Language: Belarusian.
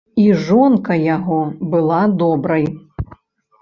І жонка яго была добрай.